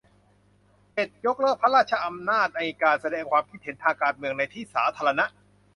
เจ็ด ยกเลิกพระราชอำนาจในการแสดงความคิดเห็นทางการเมืองในที่สาธารณะ